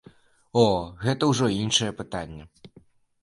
О, гэта ўжо іншае пытанне.